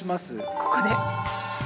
ここで。